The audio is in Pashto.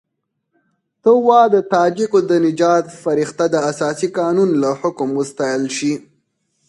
ته وا د تاجکو د نجات فرښته د اساسي قانون له حکم وستایل شي.